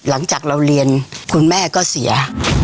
หลังจากเราเรียนคุณแม่ก็เสีย